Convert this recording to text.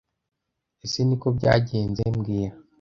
Ese Niko byagenze mbwira